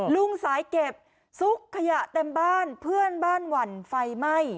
ลุงสายเก็บซุกขยะเต็มบ้านเพื่อนบ้านหวั่นไฟไหม้